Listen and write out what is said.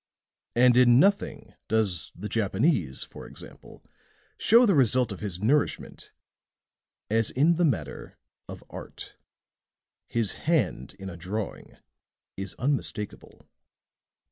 And in nothing does the Japanese, for example, show the result of his nourishment as in the matter of art. His hand in a drawing is unmistakable."